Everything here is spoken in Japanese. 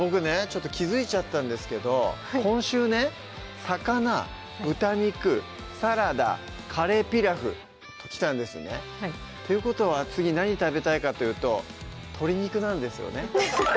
ちょっと気付いちゃったんですけど今週ね魚・豚肉・サラダ・カレーピラフときたんですねっていうことは次何食べたいかというと鶏肉なんですよね